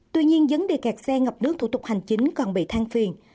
tuy nhiên vấn đề kẹt xe ngập nước thủ tục hành chính còn bị thang phiền